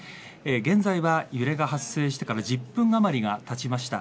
現在は揺れが発生してから１０分あまりがたちました。